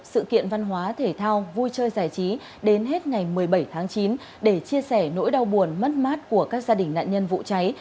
sự kiện văn hóa thể thao vui chơi giải trí đến hết ngày một mươi bảy tháng chín để chia sẻ nỗi đau buồn mất mát của các gia đình nạn nhân vụ cháy